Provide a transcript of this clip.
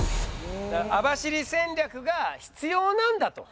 網走戦略が必要なんだと。